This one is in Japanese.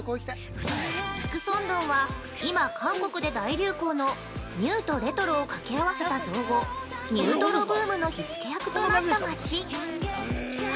◆益善洞は今、韓国で大流行のニューとレトロをかけ合わせた造語、「ニュートロ」ブームの火つけ役となった町。